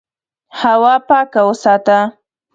هوا پاکه وساته.